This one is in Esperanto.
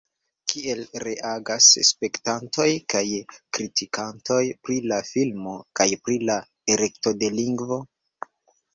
Kiel reagas spektantoj kaj kritikantoj pri la filmo, kaj pri la elekto de lingvo?